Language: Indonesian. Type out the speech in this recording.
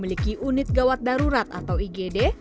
memiliki unit gawat darurat atau igd